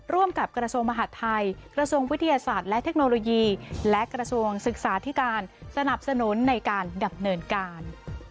ร่วมกับกระทรวงมหาดไทยกระทรวงวิทยาศาสตร์และเทคโนโลยีและกระทรวงศึกษาธิการสนับสนุนในการดำเนินการ